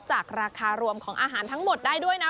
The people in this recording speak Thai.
จากราคารวมของอาหารทั้งหมดได้ด้วยนะ